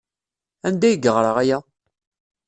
Anda ay yeɣra aya?